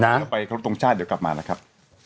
แล้วไปครุฑตรงชาติเดี๋ยวกลับมาละครับ